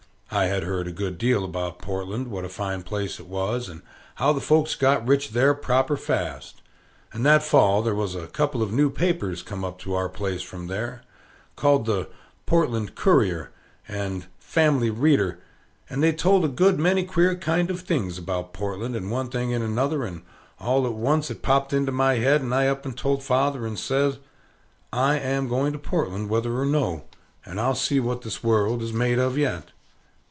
I had heard a good deal about Portland, what a fine place it was, and how the folks got rich there proper fast; and that fall there was a couple of new papers come up to our place from there, called the "Portland Courier" and "Family Reader," and they told a good many queer kind of things about Portland, and one thing and another; and all at once it popped into my head, and I up and told father, and says, "I am going to Portland, whether or no; and I'll see what this world is made of yet."